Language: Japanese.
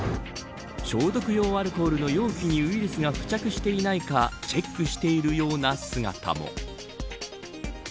消毒用アルコールの容器にウイルスが付着していないかチェックしているような姿も。